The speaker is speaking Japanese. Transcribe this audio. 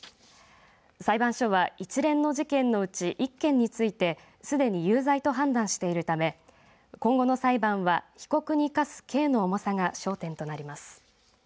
裁判所は一連の事件のうち１件についてすでに有罪と判断しているため今後の裁判は被告に科す刑の重さが焦点となります。